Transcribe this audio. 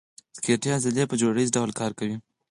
سکلیټي عضلې په جوړه ییز ډول کار کوي.